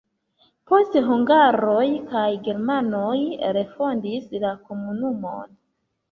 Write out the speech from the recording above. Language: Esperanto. Poste hungaroj kaj germanoj refondis la komunumon.